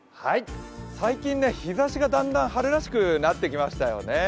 最近、日ざしがだんだん春らしくなってきましたよね。